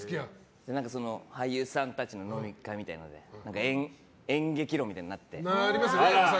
俳優さんたちの飲み会みたいなので演劇論みたいになって。